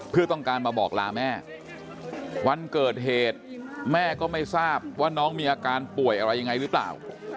เพื่อต้องการมาบอกลาแม่วันเกิดเหตุแม่ก็ไม่ทราบว่าน้องมีอาการป่วยอะไรยังไงหรือเปล่า